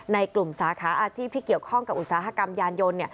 ในกลุ่มสาขาอาชีพที่เกี่ยวข้องกับอุตสาหกรรมยานยนต์